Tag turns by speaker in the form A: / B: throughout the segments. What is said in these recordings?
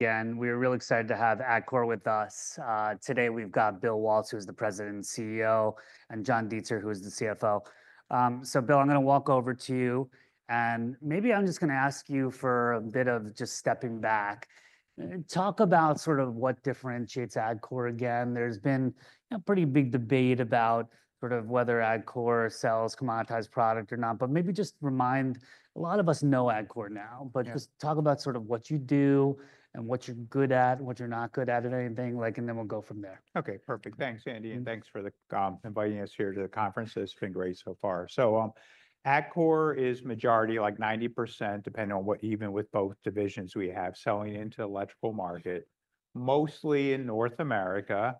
A: Again, we are really excited to have Atkore with us. Today we've got Bill Waltz, who is the President and CEO, and John Deitzer, who is the CFO. So, Bill, I'm going to walk over to you, and maybe I'm just going to ask you for a bit of just stepping back. Talk about sort of what differentiates Atkore. Again, there's been a pretty big debate about sort of whether Atkore sells commoditized product or not, but maybe just remind a lot of us know Atkore now, but just talk about sort of what you do and what you're good at, what you're not good at, and anything like, and then we'll go from there.
B: Okay, perfect. Thanks, Andy, and thanks for inviting us here to the conference. It's been great so far. So, Atkore is majority, like 90%, depending on what, even with both divisions, we have selling into the electrical market, mostly in North America.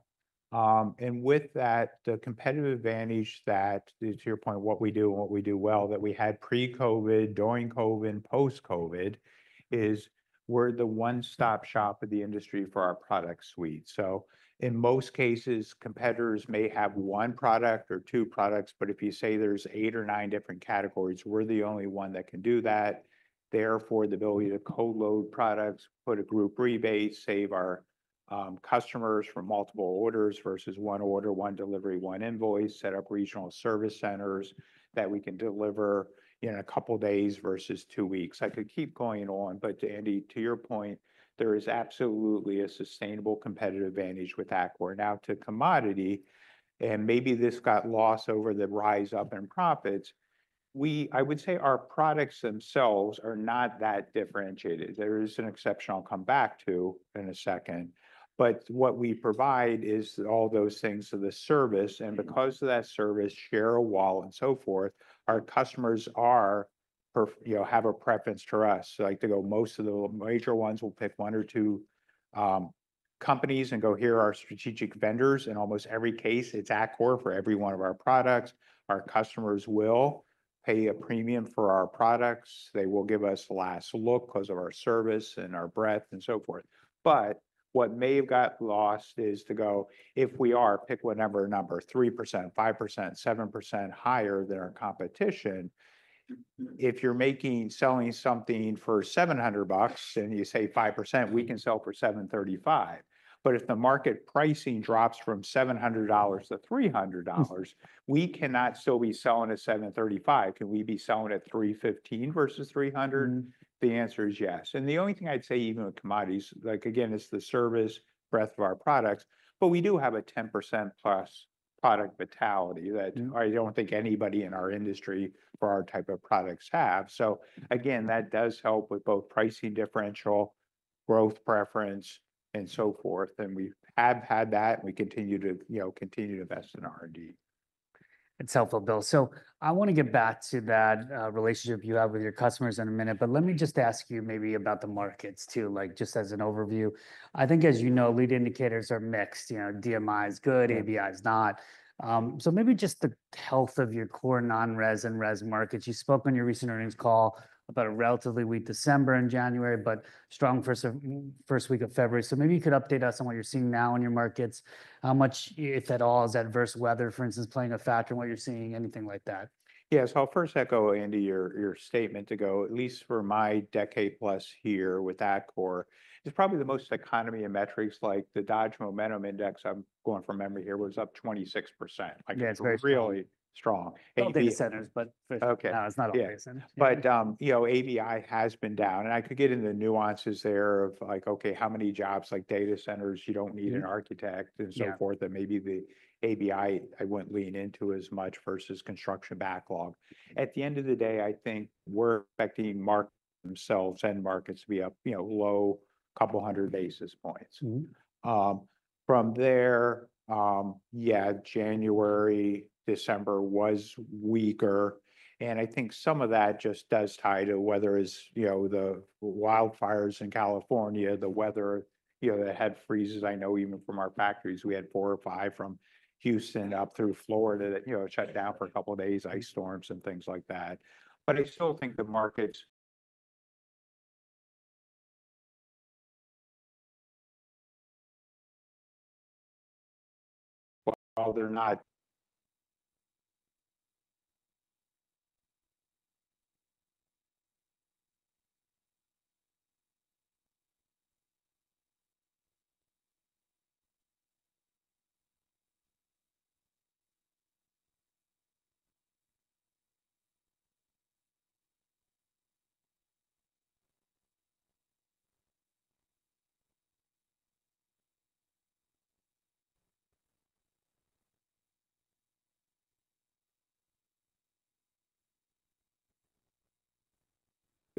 B: And with that, the competitive advantage that, to your point, what we do and what we do well, that we had pre-COVID, during COVID, and post-COVID, is we're the one-stop shop for the industry for our product suite. So, in most cases, competitors may have one product or two products, but if you say there's eight or nine different categories, we're the only one that can do that. Therefore, the ability to co-load products, put a group rebate, save our customers from multiple orders versus one order, one delivery, one invoice, set up regional service centers that we can deliver in a couple of days versus two weeks. I could keep going on, but Andy, to your point, there is absolutely a sustainable competitive advantage with Atkore. Now, to commodities, and maybe this got lost over the rise up in profits, I would say our products themselves are not that differentiated. There is an exception I'll come back to in a second, but what we provide is all those things to the service, and because of that service, share of wallet, and so forth, our customers have a preference for us. Like, they go, most of the major ones will pick one or two companies and go, here are our strategic vendors. In almost every case, it's Atkore for every one of our products. Our customers will pay a premium for our products. They will give us last look because of our service and our breadth and so forth. But what may have got lost is to go, if we are pick whatever number, 3%, 5%, 7% higher than our competition. If you're making selling something for $700 and you say 5%, we can sell for $735. But if the market pricing drops from $700 to $300, we cannot still be selling at $735. Can we be selling at $315 versus $300? The answer is yes. And the only thing I'd say, even with commodities, like again, it's the service breadth of our products, but we do have a 10%+ product vitality that I don't think anybody in our industry for our type of products have. So again, that does help with both pricing differential, growth preference, and so forth. And we have had that, and we continue to invest in R&D.
A: It's helpful, Bill. So I want to get back to that relationship you have with your customers in a minute, but let me just ask you maybe about the markets too, like just as an overview. I think, as you know, leading indicators are mixed. DMI is good, ABI is not. So maybe just the health of your core non-res and res markets. You spoke on your recent earnings call about a relatively weak December and January, but strong first week of February. So maybe you could update us on what you're seeing now in your markets. How much, if at all, is adverse weather, for instance, playing a factor in what you're seeing? Anything like that?
B: Yeah. So I'll first echo, Andy, your statement, though, at least for my decade plus here with Atkore, it's probably the most anemic economy and metrics like the Dodge Momentum Index. I'm going from memory here, was up 26%.
A: Yeah, it's crazy.
B: Really strong.
A: All data centers, but it's not all data centers.
B: But ABI has been down, and I could get into the nuances there of like, okay, how many jobs like data centers you don't need an architect and so forth, that maybe the ABI I wouldn't lean into as much versus construction backlog. At the end of the day, I think we're expecting markets themselves and markets to be up low a couple hundred basis points. From there, yeah, January, December was weaker, and I think some of that just does tie to weather it's the wildfires in California, the weather, the hard freezes. I know even from our factories, we had four or five from Houston up through Florida that shut down for a couple of days, ice storms and things like that.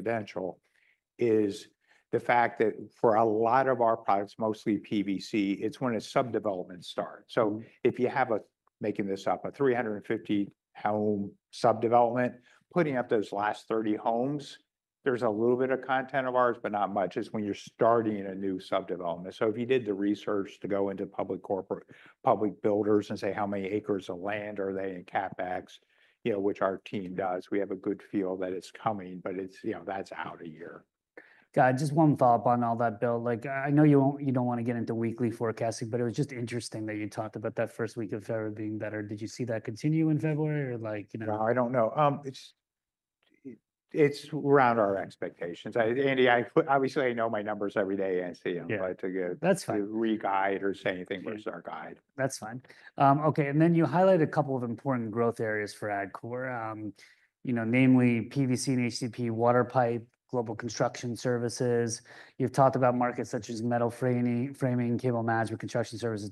B: But I still think the markets, while they're not. Potential is the fact that for a lot of our products, mostly PVC, it's when a subdivision starts. So if you have a, making this up, a 350-home subdivision, putting up those last 30 homes, there's a little bit of content of ours, but not much is when you're starting a new subdivision. If you did the research to go into public corporate, public builders and say, how many acres of land are they in CapEx, which our team does, we have a good feel that it's coming, but that's out a year.
A: Got it. Just one thought on all that, Bill. I know you don't want to get into weekly forecasting, but it was just interesting that you talked about that first week of February being better. Did you see that continue in February or?
B: No, I don't know. It's around our expectations. Andy, obviously, I know my numbers every day and see them.
A: That's fine.
B: If you read guide or say anything versus our guide.
A: That's fine. Okay. And then you highlighted a couple of important growth areas for Atkore, namely PVC and HDPE, water pipe, global Construction Services. You've talked about markets such as metal framing, cable management, Construction Services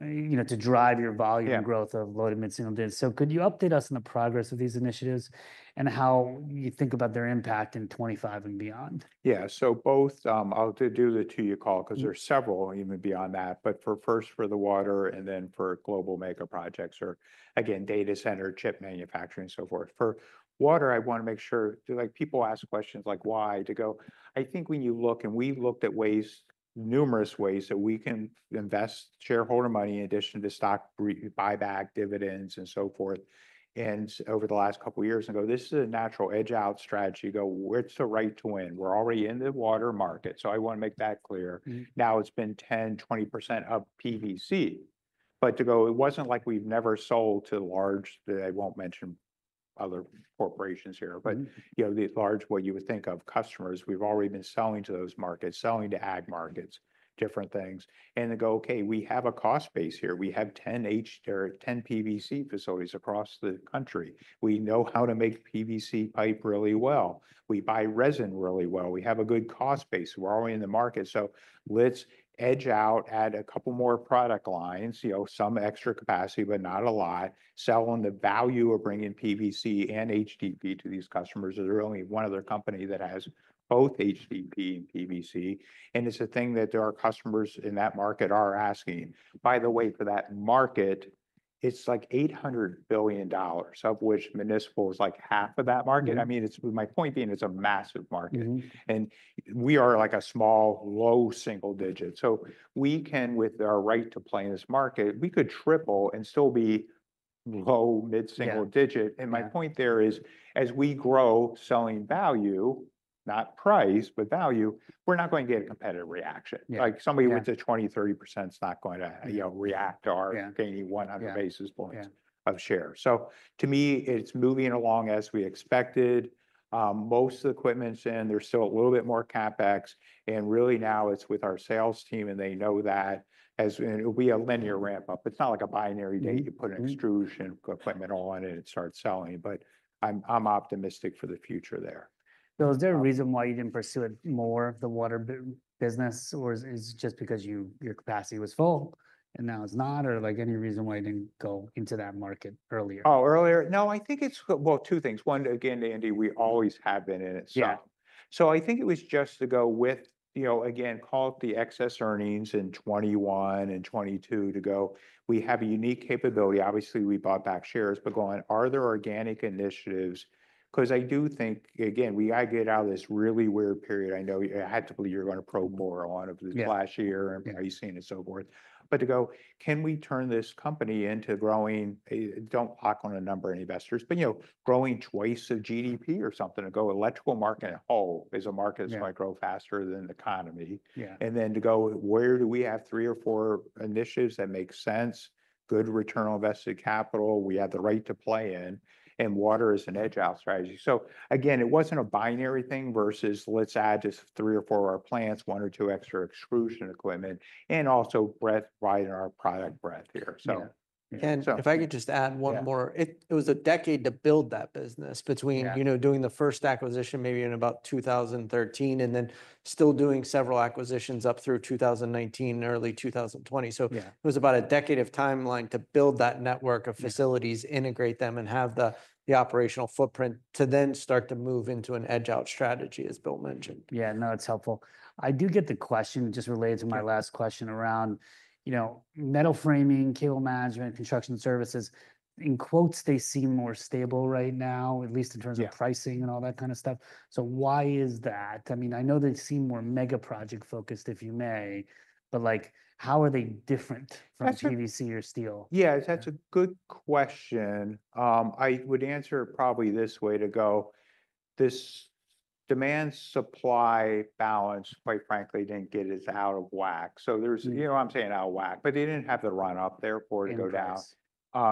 A: to drive your volume growth to low to mid-single digits. So could you update us on the progress of these initiatives and how you think about their impact in 2025 and beyond?
B: Yeah. So both, I'll do the two-year call because there's several even beyond that, but first for the water and then for Global Mega Projects or again, data center, chip manufacturing, and so forth. For water, I want to make sure people ask questions like why to go. I think when you look and we looked at ways, numerous ways that we can invest shareholder money in addition to stock buyback, dividends, and so forth. And over the last couple of years ago, this is a natural add-on strategy. We're still right to win. We're already in the water market. So I want to make that clear. Now it's been 10%-20% up PVC, but to go, it wasn't like we've never sold to large. I won't mention other corporations here, but the large, what you would think of customers, we've already been selling to those markets, selling to ag markets, different things. To go, okay, we have a cost base here. We have 10 HDPE, 10 PVC facilities across the country. We know how to make PVC pipe really well. We buy resin really well. We have a good cost base. We're already in the market. So let's edge out, add a couple more product lines, some extra capacity, but not a lot, sell on the value of bringing PVC and HDPE to these customers. There's really one other company that has both HDPE and PVC. And it's a thing that our customers in that market are asking. By the way, for that market, it's like $800 billion, of which municipal is like half of that market. I mean, my point being, it's a massive market. And we are like a small low single digit. So we can, with our right to play in this market, we could triple and still be low mid-single digit. And my point there is, as we grow selling value, not price, but value, we're not going to get a competitive reaction. Somebody with a 20% to 30% is not going to react to our gaining 100 basis points of share. So to me, it's moving along as we expected. Most of the equipment's in. There's still a little bit more CapEx. And really now it's with our sales team and they know that it'll be a linear ramp up. It's not like a binary date. You put an extrusion equipment on and it starts selling. But I'm optimistic for the future there.
A: Bill, is there a reason why you didn't pursue it more of the water business, or is it just because your capacity was full and now it's not, or any reason why you didn't go into that market earlier?
B: Oh, earlier? No, I think it's, well, two things. One, again, Andy, we always have been in it. So I think it was just to go with, again, call it the excess earnings in 2021 and 2022 to go, we have a unique capability. Obviously, we bought back shares, but going, are there organic initiatives? Because I do think, again, we got to get out of this really weird period. I know I had to believe you're going to probe more on it last year and pricing and so forth. But to go, can we turn this company into growing? Don't lock on a number of investors, but growing twice of GDP or something. To go, electrical market in a hole is a market that's going to grow faster than the economy. And then, to go where do we have three or four initiatives that make sense, good return on invested capital? We have the right to play in, and water is an edge-out strategy. So again, it wasn't a binary thing versus let's add just three or four of our plants, one or two extra extrusion equipment, and also breadth, widen our product breadth here.
A: Yeah. And if I could just add one more, it was a decade to build that business between doing the first acquisition maybe in about 2013 and then still doing several acquisitions up through 2019 and early 2020. So it was about a decade of timeline to build that network of facilities, integrate them, and have the operational footprint to then start to move into an edge-out strategy, as Bill mentioned. Yeah. No, it's helpful. I do get the question just related to my last question around metal framing, cable management, Construction Services. In quotes, they seem more stable right now, at least in terms of pricing and all that kind of stuff. So why is that? I mean, I know they seem more mega project focused, if I may, but how are they different from PVC or steel?
B: Yeah, that's a good question. I would answer it probably this way to go. This demand-supply balance, quite frankly, didn't get as out of whack. So I'm saying out of whack, but they didn't have the run-up therefore to go down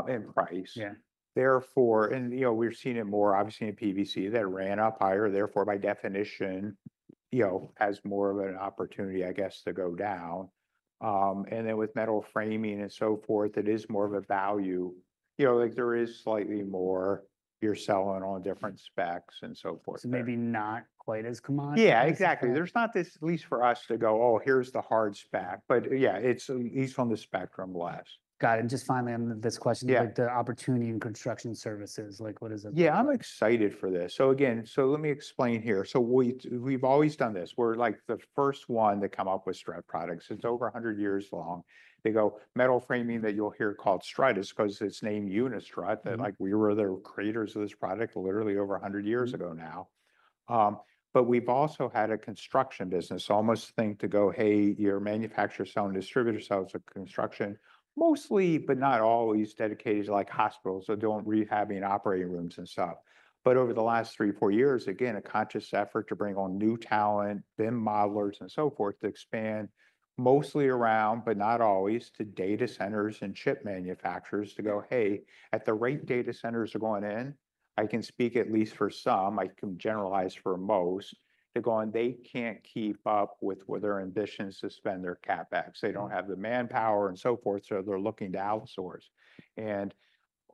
B: in price. And we've seen it more, obviously, in PVC that ran up higher. Therefore, by definition, has more of an opportunity, I guess, to go down. And then with metal framing and so forth, it is more of a value. There is slightly more you're selling on different specs and so forth.
A: Maybe not quite as common.
B: Yeah, exactly. There's not this, at least for us, to go, "Oh, here's the hard spec." But yeah, it's at least on the spectrum less.
A: Got it. And just finally, on this question, the opportunity in Construction Services, what is it?
B: Yeah, I'm excited for this. So, again, let me explain here, so we've always done this. We're like the first one to come up with strut products. It's over 100 years long. The whole metal framing that you'll hear called strut is because it's named Unistrut. We were the creators of this product literally over 100 years ago now. But we've also had a construction business, almost thing to go, "Hey, you're a manufacturer selling distributor sells construction," mostly, but not always dedicated to hospitals that do rehab operating rooms and stuff. But over the last three, four years, again, a conscious effort to bring on new talent, BIM modelers and so forth to expand mostly around, but not always to data centers and chip manufacturers to go, "Hey, at the rate data centers are going in, I can speak at least for some, I can generalize for most," to go on, "They can't keep up with their ambitions to spend their CapEx. They don't have the manpower and so forth, so they're looking to outsource." And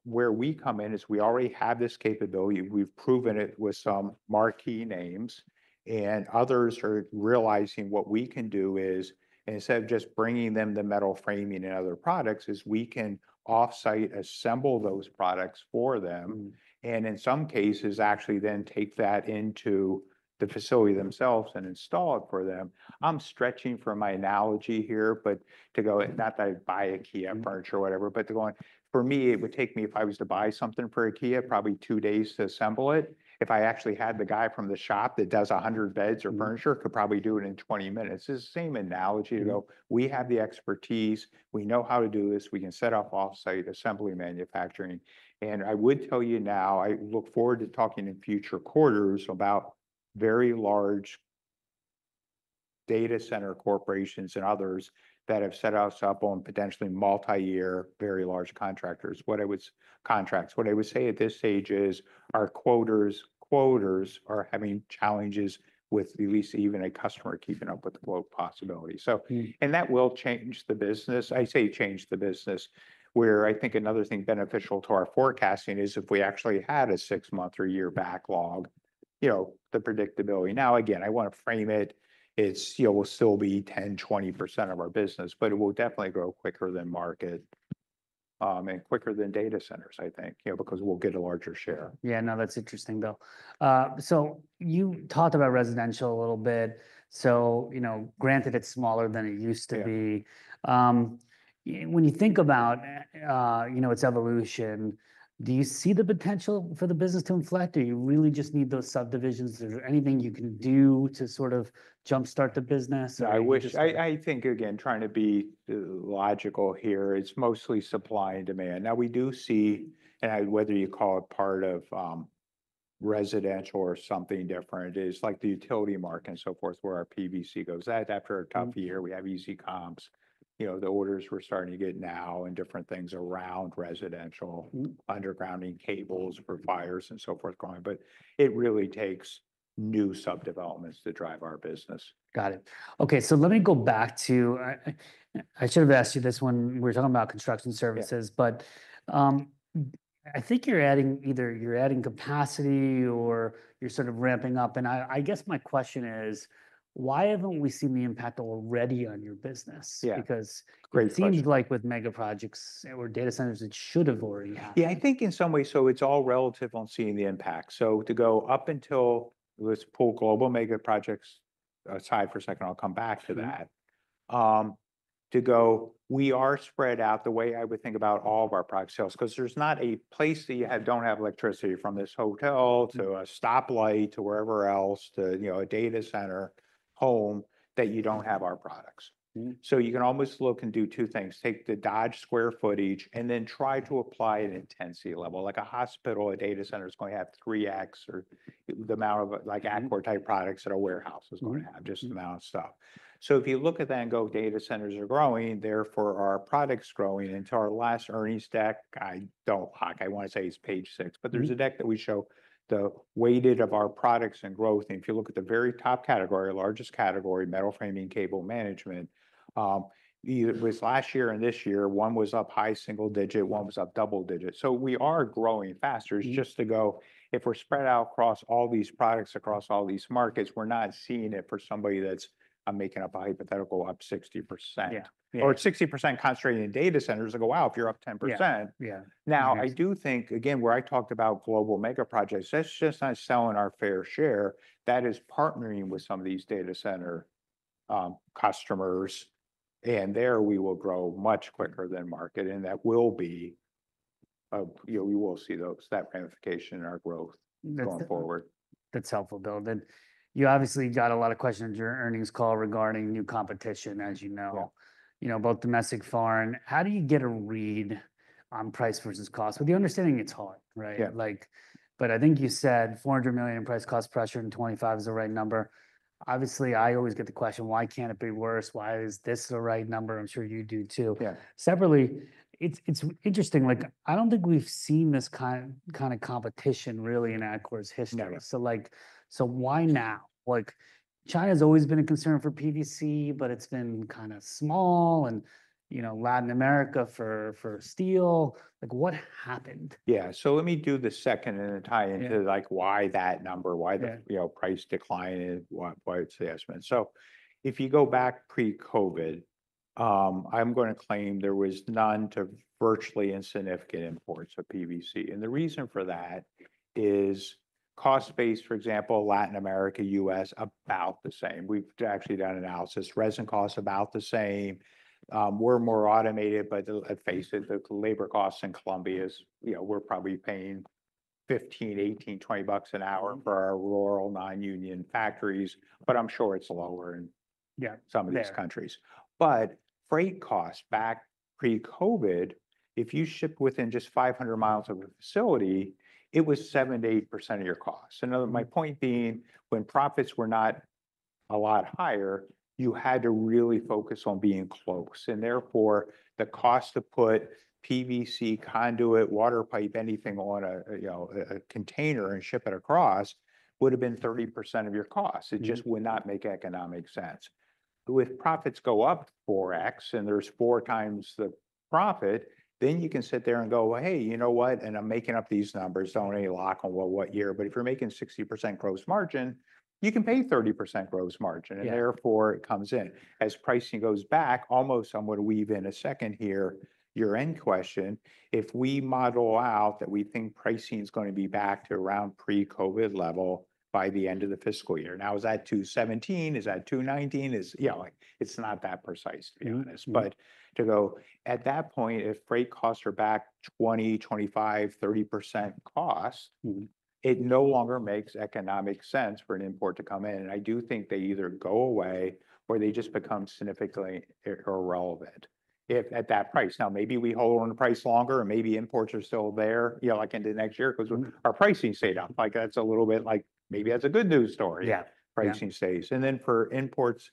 B: where we come in is we already have this capability. We've proven it with some marquee names. And others are realizing what we can do is, instead of just bringing them the metal framing and other products, is we can off-site assemble those products for them. And in some cases, actually then take that into the facility themselves and install it for them. I'm stretching for my analogy here, but not that I buy IKEA furniture or whatever. But to go on, for me, it would take me if I was to buy something for IKEA, probably two days to assemble it. If I actually had the guy from the shop that does 100 beds or furniture, could probably do it in 20 minutes. It's the same analogy to go, "We have the expertise. We know how to do this. We can set up off-site assembly manufacturing." And I would tell you now, I look forward to talking in future quarters about very large data center corporations and others that have set us up on potentially multi-year, very large contractors. What I would say at this stage is our quoters are having challenges with at least even a customer keeping up with the quote possibility. And that will change the business. I say change the business. Where I think another thing beneficial to our forecasting is if we actually had a six-month or a year backlog, the predictability. Now, again, I want to frame it. It will still be 10% to 20% of our business, but it will definitely grow quicker than market and quicker than data centers, I think, because we'll get a larger share.
A: Yeah. No, that's interesting, Bill. So you talked about residential a little bit. So granted, it's smaller than it used to be. When you think about its evolution, do you see the potential for the business to inflect? Do you really just need those subdivisions? Is there anything you can do to sort of jumpstart the business?
B: I wish. I think, again, trying to be logical here, it's mostly supply and demand. Now, we do see, and whether you call it part of residential or something different, it's like the utility market and so forth, where our PVC goes. After a tough year, we have easy comps. The orders we're starting to get now and different things around residential, undergrounding cables for fires and so forth going. But it really takes new subdevelopments to drive our business.
A: Got it. Okay, so let me go back to I should have asked you this when we were talking about Construction Services, but I think you're adding either capacity or you're sort of ramping up, and I guess my question is, why haven't we seen the impact already on your business? Because it seems like with mega projects or data centers, it should have already happened.
B: Yeah, I think in some ways. So it's all relative on seeing the impact. So to go up until let's pull Global Mega Projects aside for a second. I'll come back to that. To go, we are spread out the way I would think about all of our product sales because there's not a place that you don't have electricity from this hotel to a stoplight to wherever else to a data center, home that you don't have our products. So you can almost look and do two things. Take the Dodge square footage and then try to apply an intensity level. Like a hospital, a data center is going to have 3X or the amount of Atkore-type products that a warehouse is going to have, just the amount of stuff. If you look at that and go, data centers are growing, therefore our products are growing in our last earnings deck. I don't know. I want to say it's page six, but there's a deck that we show the weighting of our products and growth. And if you look at the very top category, largest category, metal framing, cable management, it was last year and this year, one was up high single digits, one was up double digits. So we are growing faster. It's just to go, if we're spread out across all these products, across all these markets, we're not seeing it for somebody that's making up a hypothetical up 60% or 60% concentrating in data centers to go, "Wow, if you're up 10%." Now, I do think, again, where I talked about Global Mega Projects, that's just not selling our fair share. That is partnering with some of these data center customers. And there we will grow much quicker than the market. And that will be, we will see that ramification in our growth going forward.
A: That's helpful, Bill. Then you obviously got a lot of questions during earnings call regarding new competition, as you know, both domestic, foreign. How do you get a read on price versus cost? With the understanding it's hard, right? But I think you said $400 million in price cost pressure and $25 million is the right number. Obviously, I always get the question, why can't it be worse? Why is this the right number? I'm sure you do too. Separately, it's interesting. I don't think we've seen this kind of competition really in Atkore's history. So why now? China has always been a concern for PVC, but it's been kind of small. And Latin America for steel. What happened?
B: Yeah. So let me do the second and tie into why that number, why the price decline is, why it's the estimate. So if you go back pre-COVID, I'm going to claim there was none to virtually insignificant imports of PVC. And the reason for that is cost base, for example, Latin America, U.S., about the same. We've actually done analysis. Resin costs about the same. We're more automated, but I face it, the labor costs in Colombia, we're probably paying $15, $18, $20 an hour for our rural non-union factories, but I'm sure it's lower in some of these countries. But freight costs back pre-COVID, if you ship within just 500 miles of a facility, it was 7%-8% of your costs. And my point being, when profits were not a lot higher, you had to really focus on being close. Therefore, the cost to put PVC conduit, water pipe, anything on a container and ship it across would have been 30% of your costs. It just would not make economic sense. With profits go up 4X and there's 4 times the profit, then you can sit there and go, "Hey, you know what?" And I'm making up these numbers. Don't let me lock on what year. But if you're making 60% gross margin, you can pay 30% gross margin. And therefore, it comes in. As pricing goes back, almost I'm going to weave in a second here, your end question, if we model out that we think pricing is going to be back to around pre-COVID level by the end of the fiscal year. Now, is that 2017? Is that 2019? It's not that precise, to be honest. But to go, at that point, if freight costs are back 20%-30% cost, it no longer makes economic sense for an import to come in. And I do think they either go away or they just become significantly irrelevant at that price. Now, maybe we hold on the price longer or maybe imports are still there into next year because our pricing stayed up. That's a little bit like maybe that's a good news story. Pricing stays. And then for imports,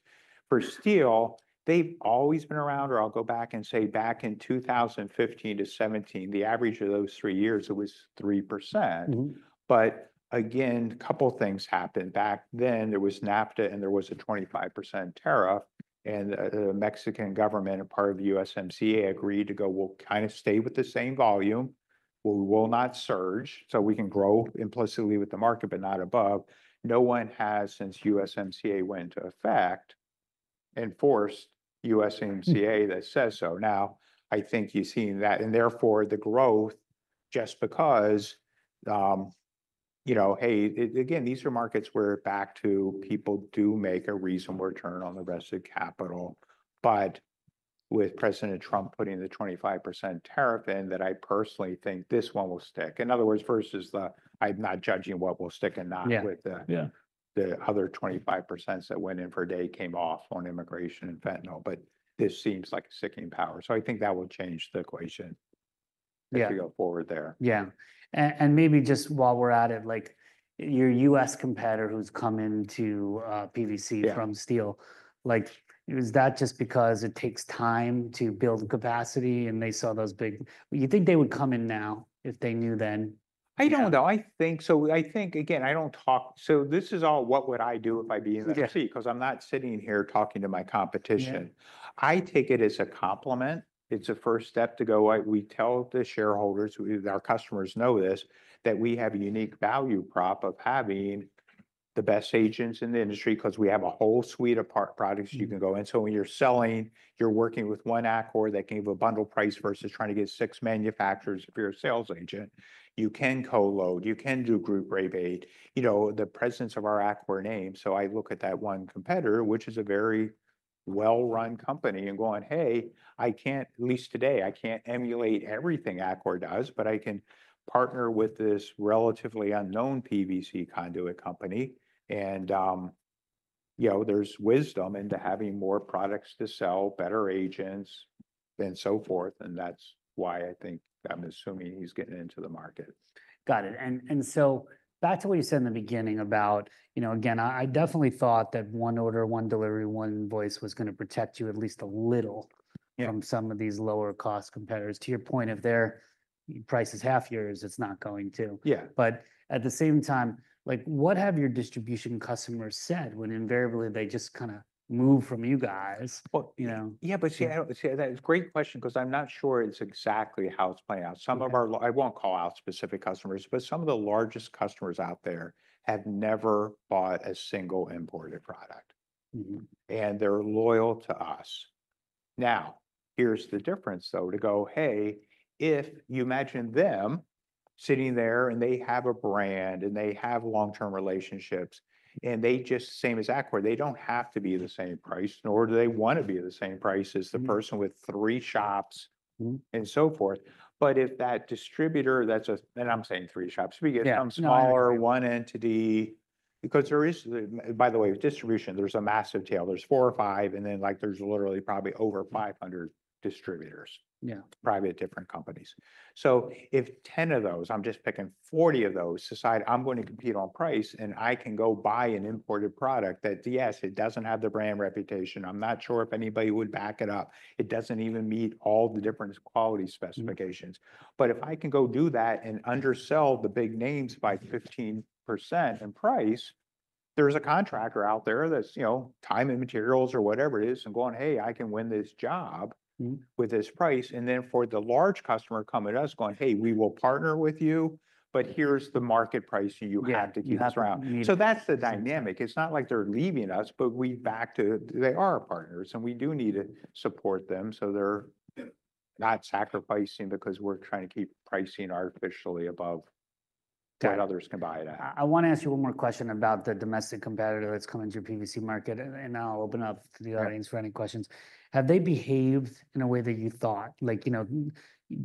B: for steel, they've always been around or I'll go back and say back in 2015 to 2017, the average of those three years, it was 3%. But again, a couple of things happened. Back then, there was NAFTA and there was a 25% tariff. And the Mexican government and part of the USMCA agreed to go, "We'll kind of stay with the same volume. We will not surge." So we can grow implicitly with the market, but not above. No one has since USMCA went into effect enforced USMCA that says so. Now, I think you've seen that. And therefore, the growth just because, hey, again, these are markets where back to people do make a reasonable return on the rest of the capital. But with President Trump putting the 25% tariff in that I personally think this one will stick. In other words, versus the. I'm not judging what will stick and not with the other 25% that went in for a day came off on immigration and fentanyl. But this seems like a sticking power. So I think that will change the equation as we go forward there.
A: Yeah. And maybe just while we're at it, your U.S. competitor who's come into PVC from steel, is that just because it takes time to build capacity and they saw those big? You think they would come in now if they knew then?
B: I don't know. So I think, again, I don't talk. So this is all what would I do if I were in the seat because I'm not sitting here talking to my competition. I take it as a compliment. It's a first step to go. We tell the shareholders, our customers know this, that we have a unique value prop of having the best agents in the industry because we have a whole suite of products you can go. And so when you're selling, you're working with one Atkore that gave a bundle price versus trying to get six manufacturers for your sales agent. You can co-load. You can do group rebate. The presence of our Atkore name. So I look at that one competitor, which is a very well-run company and going, "Hey, at least today, I can't emulate everything Atkore does, but I can partner with this relatively unknown PVC conduit company." And there's wisdom into having more products to sell, better agents, and so forth. And that's why I think I'm assuming he's getting into the market.
A: Got it. And so back to what you said in the beginning about, again, I definitely thought that one order, one delivery, one voice was going to protect you at least a little from some of these lower-cost competitors. To your point, if their price is half yours, it's not going to. But at the same time, what have your distribution customers said when invariably they just kind of move from you guys?
B: Yeah, but see, that's a great question because I'm not sure it's exactly how it's playing out. Some of our I won't call out specific customers, but some of the largest customers out there have never bought a single imported product. And they're loyal to us. Now, here's the difference, though, to go, "Hey, if you imagine them sitting there and they have a brand and they have long-term relationships and they just, same as Atkore, they don't have to be the same price, nor do they want to be the same price as the person with three shops and so forth." But if that distributor, and I'm saying three shops, to be it because there is, by the way, distribution, there's a massive tail. There's four or five, and then there's literally probably over 500 distributors, private different companies. So if 10 of those, I'm just picking 40 of those, decide I'm going to compete on price and I can go buy an imported product that, yes, it doesn't have the brand reputation. I'm not sure if anybody would back it up. It doesn't even meet all the different quality specifications. But if I can go do that and undersell the big names by 15% in price, there's a contractor out there that's time and materials or whatever it is and going, "Hey, I can win this job with this price." And then for the large customer coming to us going, "Hey, we will partner with you, but here's the market price you have to keep around." So that's the dynamic. It's not like they're leaving us, but we back to they are partners and we do need to support them. So they're not sacrificing because we're trying to keep pricing artificially above what others can buy it at.
A: I want to ask you one more question about the domestic competitor that's coming to your PVC market, and I'll open up to the audience for any questions. Have they behaved in a way that you thought?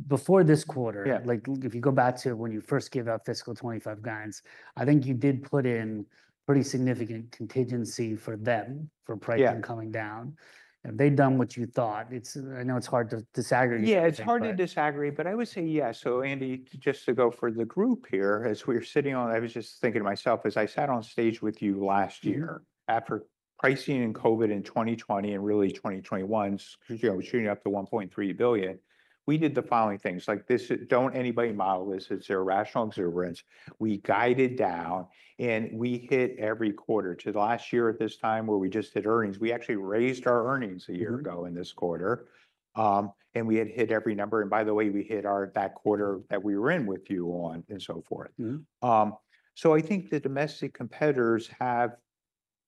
A: Before this quarter, if you go back to when you first gave out fiscal 2025 guidance, I think you did put in pretty significant contingency for them for pricing coming down. Have they done what you thought? I know it's hard to disagree.
B: Yeah, it's hard to disagree, but I would say yes. So Andy, just to go for the group here, as we were sitting on, I was just thinking to myself, as I sat on stage with you last year after pricing and COVID in 2020 and really 2021, shooting up to $1.3 billion, we did the following things. Don't anybody model this. It's irrational exuberance. We guided down and we hit every quarter to the last year at this time where we just did earnings. We actually raised our earnings a year ago in this quarter, and we had hit every number. And by the way, we hit that quarter that we were in with you on and so forth. So I think the domestic competitors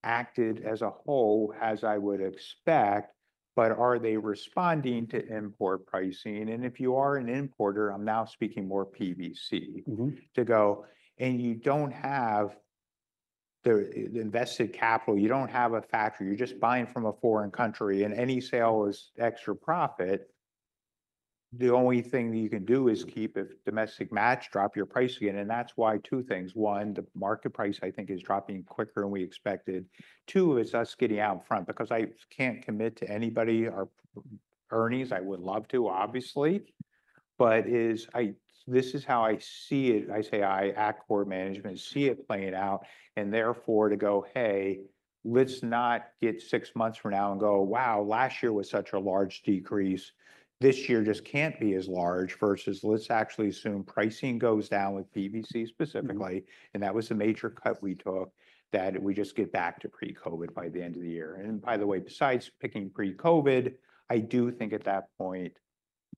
B: have acted as a whole, as I would expect, but are they responding to import pricing? And if you are an importer, I'm now speaking more PVC to go, and you don't have the invested capital. You don't have a factory. You're just buying from a foreign country, and any sale is extra profit. The only thing that you can do is keep a domestic match, drop your price again. That's why two things. One, the market price, I think, is dropping quicker than we expected. Two, it's us getting out front because I can't commit to anybody our earnings. I would love to, obviously, but this is how I see it. I, Atkore management, see it playing out and therefore to go, "Hey, let's not get six months from now and go, 'Wow, last year was such a large decrease. This year just can't be as large versus let's actually assume pricing goes down with PVC specifically." And that was a major cut we took that we just got back to pre-COVID by the end of the year. And by the way, besides pricing pre-COVID, I do think at that point,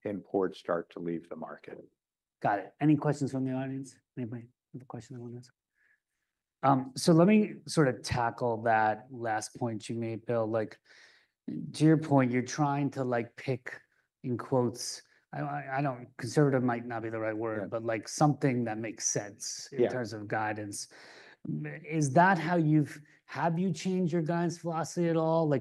B: imports start to leave the market.
A: Got it. Any questions from the audience? Anybody have a question they want to ask, so let me sort of tackle that last point you made, Bill. To your point, you're trying to pick, in quotes, I don't know, conservative might not be the right word, but something that makes sense in terms of guidance. Is that how you've changed your guidance philosophy at all?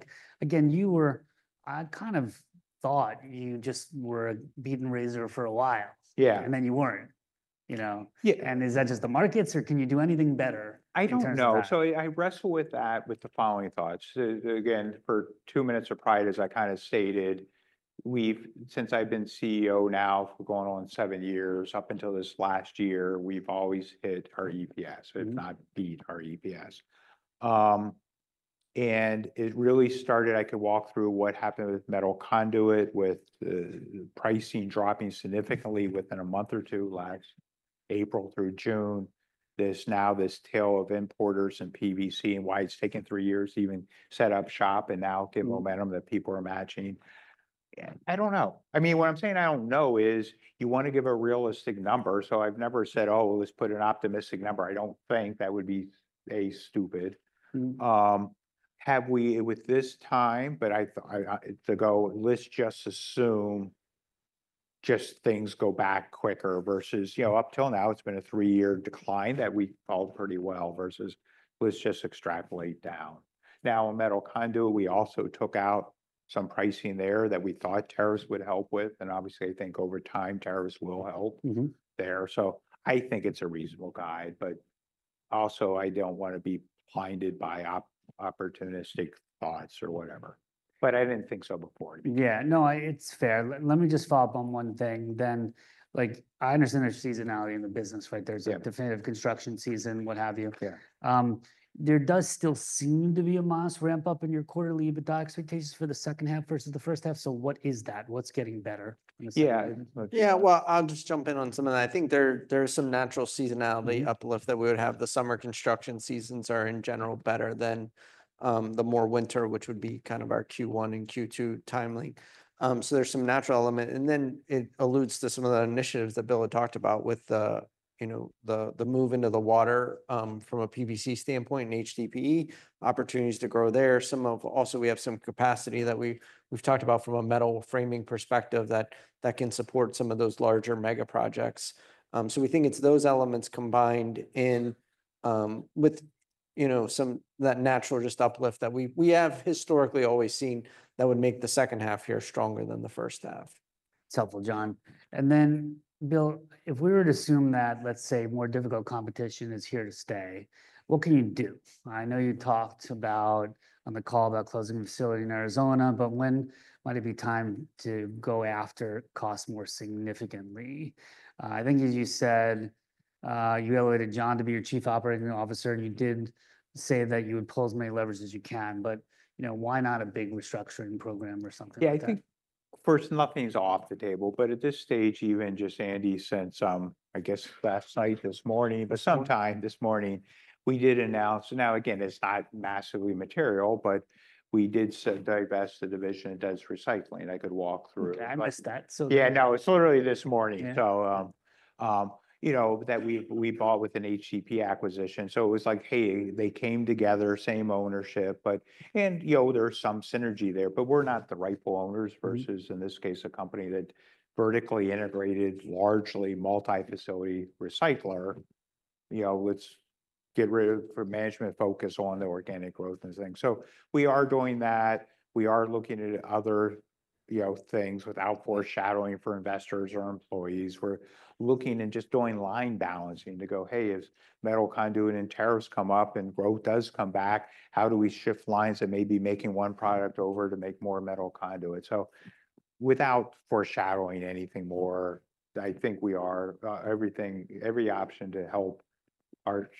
A: Again, you were, I kind of thought, you just were a beat and raiser for a while, and then you weren't, and is that just the markets, or can you do anything better?
B: I don't know. So I wrestle with that with the following thoughts. Again, for two minutes of pride, as I kind of stated, since I've been CEO now for going on seven years, up until this last year, we've always hit our EPS, if not beat our EPS. And it really started, I could walk through what happened with metal conduit, with pricing dropping significantly within a month or two, last April through June, now this tail of importers and PVC and why it's taken three years to even set up shop and now get momentum that people are matching. I don't know. I mean, what I'm saying, I don't know is you want to give a realistic number. So I've never said, "Oh, let's put an optimistic number." I don't think that would be a stupid. However, with this time, but to go, "Let's just assume things go back quicker" versus up till now, it's been a three-year decline that we've followed pretty well versus let's just extrapolate down. Now, in metal conduit, we also took out some pricing there that we thought tariffs would help with. And obviously, I think over time, tariffs will help there. So I think it's a reasonable guide. Also, I don't want to be blinded by opportunistic thoughts or whatever. I didn't think so before.
A: Yeah. No, it's fair. Let me just follow up on one thing. Then I understand there's seasonality in the business, right? There's a definitive construction season, what have you. There does still seem to be a massive ramp-up in your quarterly EBITDA expectations for the second half versus the first half. So what is that? What's getting better?
C: Yeah. Well, I'll just jump in on some of that. I think there's some natural seasonality uplift that we would have. The summer construction seasons are in general better than the more winter, which would be kind of our Q1 and Q2 time. So there's some natural element. And then it alludes to some of the initiatives that Bill had talked about with the move into the water from a PVC standpoint and HDPE opportunities to grow there. Also, we have some capacity that we've talked about from a metal framing perspective that can support some of those larger mega projects. So we think it's those elements combined in with that natural just uplift that we have historically always seen that would make the second half here stronger than the first half.
A: It's helpful, John. Then, Bill, if we were to assume that, let's say, more difficult competition is here to stay, what can you do? I know you talked about on the call about closing the facility in Arizona, but when might it be time to go after costs more significantly? I think, as you said, you elevated John to be your Chief Operating Officer, and you did say that you would pull as many levers as you can, but why not a big restructuring program or something like that?
B: Yeah, I think first, nothing's off the table. But at this stage, even just Andy sent some, I guess, last night, this morning, but sometime this morning, we did announce. Now, again, it's not massively material, but we did divest the division that does recycling. I could walk through.
A: Okay. I missed that.
B: Yeah. No, it's literally this morning. So that we bought with an HDPE acquisition. So it was like, "Hey, they came together, same ownership." And there's some synergy there, but we're not the rightful owners versus, in this case, a company that vertically integrated largely multi-facility recycler. Let's get rid of management focus on the organic growth and things. So we are doing that. We are looking at other things without foreshadowing for investors or employees. We're looking and just doing line balancing to go, "Hey, is metal conduit and tariffs come up and growth does come back? How do we shift lines and maybe making one product over to make more metal conduit?" So without foreshadowing anything more, I think we are every option to help,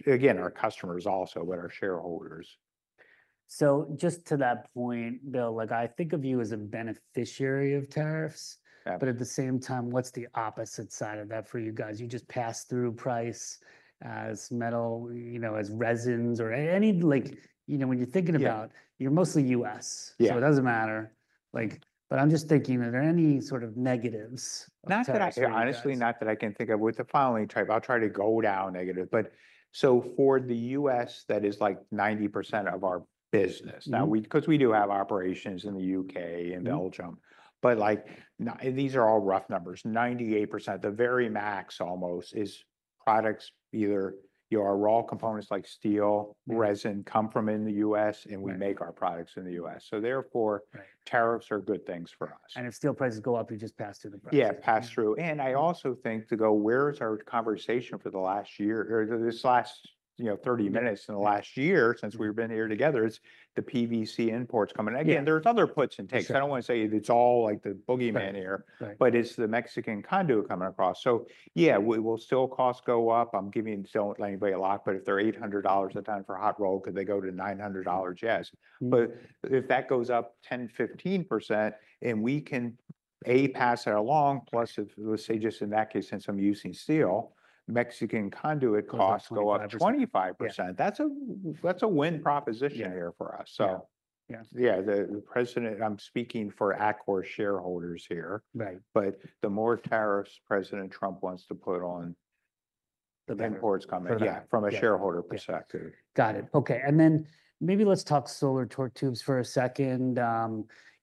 B: again, our customers also, but our shareholders.
A: So just to that point, Bill, I think of you as a beneficiary of tariffs, but at the same time, what's the opposite side of that for you guys? You just pass through price as metal, as resins or any when you're thinking about, you're mostly U.S., so it doesn't matter. But I'm just thinking, are there any sort of negatives?
B: Honestly, not that I can think of with the following type. I'll try to go down negative, so for the U.S., that is like 90% of our business because we do have operations in the U.K. and Belgium, but these are all rough numbers. 98%, the very max almost is products either your raw components like steel, resin come from in the U.S., and we make our products in the U.S., so therefore, tariffs are good things for us.
A: If steel prices go up, you just pass through the price.
B: Yeah, pass through. And I also think to go, where is our conversation for the last year or this last 30 minutes in the last year since we've been here together? It's the PVC imports coming. Again, there's other puts and takes. I don't want to say it's all like the boogeyman here, but it's the Mexican conduit coming across. So yeah, will steel costs go up? I'm giving steel anybody a lock, but if they're $800 a ton for hot roll, could they go to $900? Yes. But if that goes up 10% to 15%, and we can A, pass that along, plus if we say just in that case, since I'm using steel, Mexican conduit costs go up 25%. That's a win proposition here for us. So yeah, the president, I'm speaking for Atkore shareholders here. But the more tariffs President Trump wants to put on the imports coming, yeah, from a shareholder perspective.
A: Got it. Okay. And then maybe let's talk solar torque tubes for a second.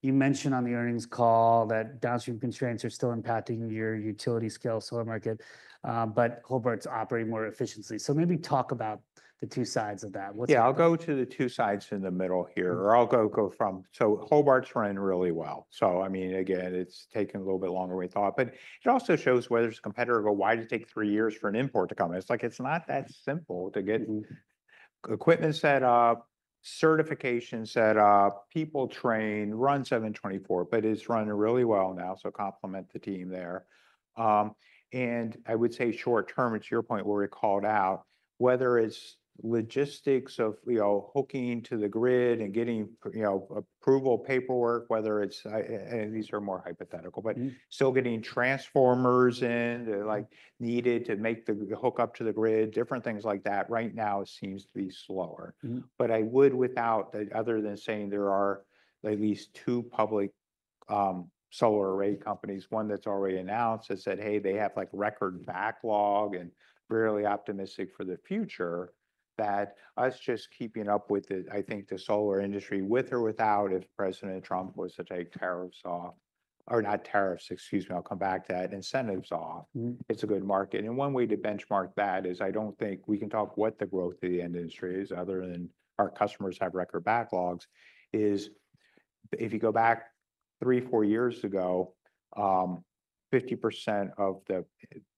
A: You mentioned on the earnings call that downstream constraints are still impacting your utility scale solar market, but Hobart's operating more efficiently. So maybe talk about the two sides of that.
B: Yeah, I'll go to the two sides in the middle here, or I'll go from so Hobart's run really well. So I mean, again, it's taken a little bit longer we thought, but it also shows where there's a competitor to go, why did it take three years for an import to come? It's like it's not that simple to get equipment set up, certification set up, people trained, run 24/7, but it's running really well now, so compliment the team there. And I would say short term, to your point, where it called out, whether it's logistics of hooking to the grid and getting approval paperwork, whether it's and these are more hypothetical, but still getting transformers in needed to make the hook up to the grid, different things like that, right now seems to be slower. But I would without other than saying there are at least two public solar array companies, one that's already announced has said, "Hey, they have record backlog and really optimistic for the future," that's us just keeping up with it. I think the solar industry with or without, if President Trump was to take tariffs off or not tariffs, excuse me, I'll come back to that, incentives off, it's a good market. And one way to benchmark that is I don't think we can talk what the growth of the industry is other than our customers have record backlogs is if you go back three, four years ago, 50% of the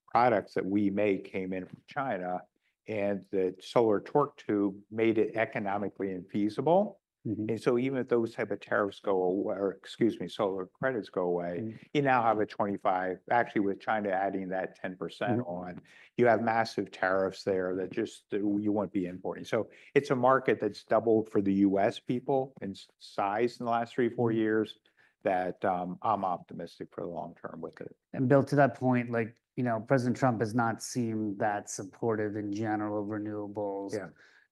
B: products that we make came in from China, and the solar torque tube made it economically infeasible. And so even if those type of tariffs go away, or excuse me, solar credits go away, you now have a 25%, actually with China adding that 10% on, you have massive tariffs there that just you won't be importing. So it's a market that's doubled for the U.S. people in size in the last three, four years that I'm optimistic for the long term with it.
A: And Bill, to that point, President Trump has not seemed that supportive in general of renewables.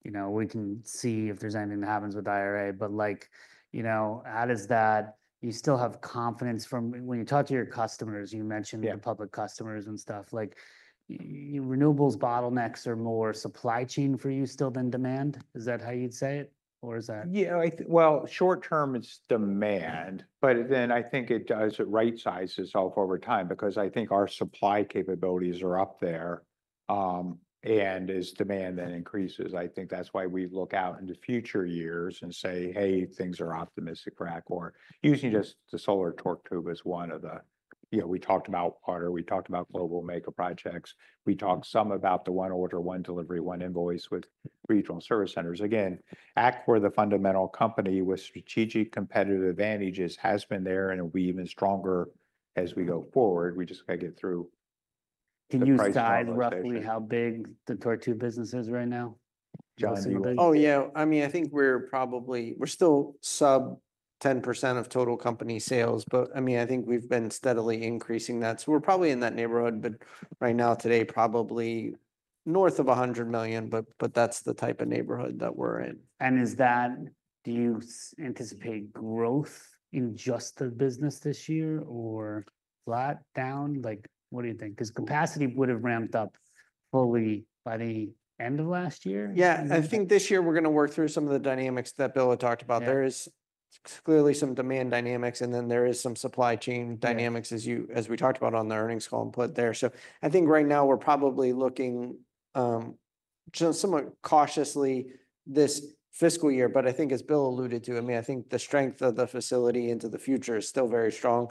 A: We can see if there's anything that happens with IRA, but how does that you still have confidence from when you talk to your customers? You mentioned the public customers and stuff. Renewables bottlenecks are more supply chain for you still than demand? Is that how you'd say it, or is that?
B: Yeah. Well, short term, it's demand, but then I think it does; it right-sizes itself over time because I think our supply capabilities are up there and as demand then increases. I think that's why we look out into future years and say, "Hey, things are optimistic for Atkore." Using just the solar torque tube as one of the we talked about water, we talked about Global Mega Projects. We talked some about the one order, one delivery, one invoice with regional service centers. Again, Atkore, the fundamental company with strategic competitive advantages has been there and we're even stronger as we go forward. We just got to get through.
A: Can you decide roughly how big the torque tube business is right now?
B: John, you're big.
C: Oh, yeah. I mean, I think we're probably still sub 10% of total company sales, but I mean, I think we've been steadily increasing that. So we're probably in that neighborhood, but right now today, probably north of $100 million, but that's the type of neighborhood that we're in.
A: Do you anticipate growth in just the business this year or flat down? What do you think? Because capacity would have ramped up fully by the end of last year.
C: Yeah. I think this year we're going to work through some of the dynamics that Bill had talked about. There is clearly some demand dynamics, and then there is some supply chain dynamics as we talked about on the earnings call and put there. So I think right now we're probably looking somewhat cautiously this fiscal year, but I think as Bill alluded to, I mean, I think the strength of the facility into the future is still very strong.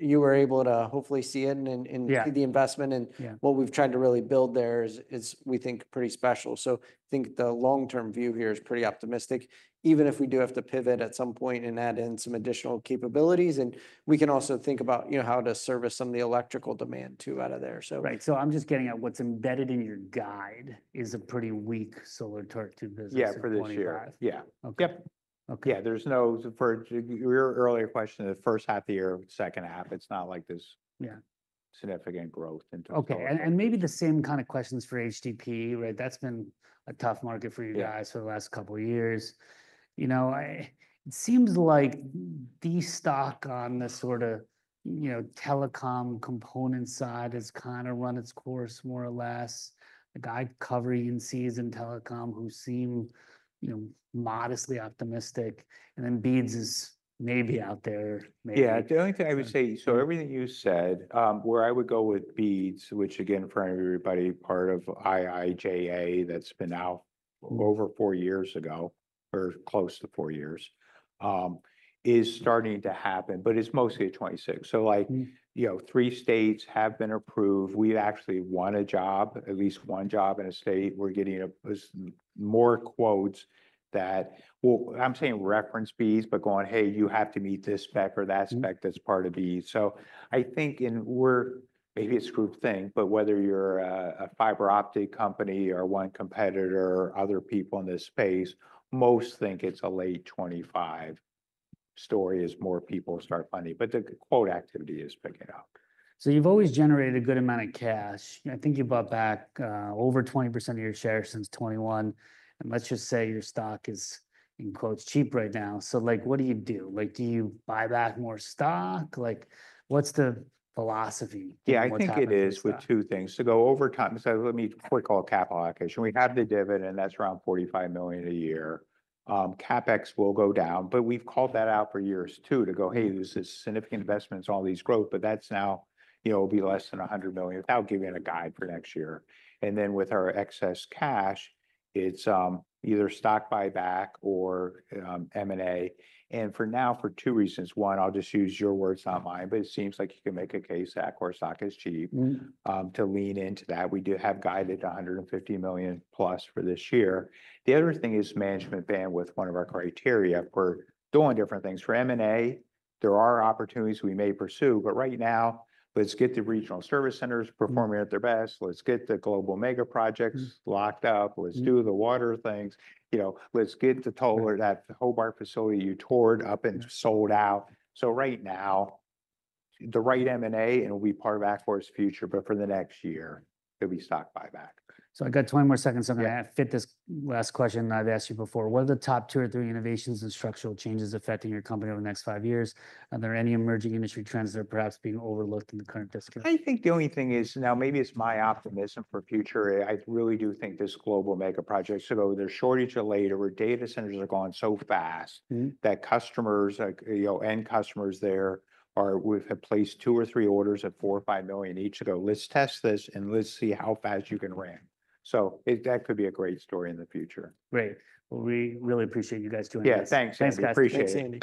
C: You were able to hopefully see it and see the investment. And what we've tried to really build there is, we think, pretty special. So I think the long-term view here is pretty optimistic, even if we do have to pivot at some point and add in some additional capabilities. And we can also think about how to service some of the electrical demand too out of there.
A: Right. So I'm just getting at what's embedded in your guide is a pretty weak solar torque tube business.
B: Yeah, for this year. Yeah. Yeah. For your earlier question, the first half year, second half, it's not like there's significant growth in terms of.
A: Okay. And maybe the same kind of questions for HDPE, right? That's been a tough market for you guys for the last couple of years. It seems like the stock on the sort of telecom component side has kind of run its course more or less. The guy covering institutional telecom who seem modestly optimistic. And then BEAD is maybe out there.
B: Yeah. The only thing I would say, so everything you said, where I would go with BEAD, which again, for everybody, part of IIJA that's been out over four years ago or close to four years is starting to happen, but it's mostly at 26. So three states have been approved. We actually won a job, at least one job in a state. We're getting more quotes that, well, I'm saying reference BEAD, but going, "Hey, you have to meet this spec or that spec that's part of these." So I think in we're maybe it's group think, but whether you're a fiber optic company or one competitor or other people in this space, most think it's a late 25 story as more people start funding. But the quote activity is picking up.
A: So you've always generated a good amount of cash. I think you bought back over 20% of your shares since 2021. And let's just say your stock is in quotes cheap right now. So what do you do? Do you buy back more stock? What's the philosophy?
B: Yeah, I think it is. With two things. We're going over time, so let me quickly call out CapEx allocation. We have the dividend, and that's around $45 million a year. CapEx will go down, but we've called that out for years too to go, "Hey, this is significant investments, all these growth, but that now will be less than $100 million." Now giving a guide for next year. With our excess cash, it's either stock buyback or M&A. For now, for two reasons. One, I'll just use your words online, but it seems like you can make a case that our stock is cheap to lean into that. We do have guided $150 million for this year. The other thing is management bandwidth, one of our criteria for doing different things. For M&A, there are opportunities we may pursue, but right now, let's get the regional service centers performing at their best. Let's get the Global Mega Projects locked up. Let's do the water things. Let's get the tower at that Hobart facility you toured up and sold out. So right now, the right M&A and it will be part of Atkore's future, but for the next year, it'll be stock buyback.
A: So I got 20 more seconds. I'm going to fit this last question I've asked you before. What are the top two or three innovations and structural changes affecting your company over the next five years? Are there any emerging industry trends that are perhaps being overlooked in the current discourse?
B: I think the only thing is now maybe it's my optimism for future. I really do think this global mega project should go either short or long where data centers are going so fast that customers there have placed two or three orders at $4 million or $5 million each to go, "Let's test this and let's see how fast you can ramp," so that could be a great story in the future.
A: Great. Well, we really appreciate you guys doing this.
B: Yeah, thanks. I appreciate it.